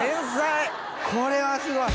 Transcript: これはすごい。